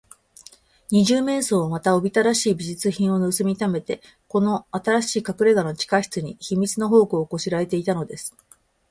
二十面相は、また、おびただしい美術品をぬすみためて、この新しいかくれがの地下室に、秘密の宝庫をこしらえていたのです。